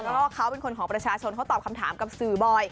เพราะว่าเขาเป็นคนของประชาชนเขาตอบคำถามกับสื่อบ่อย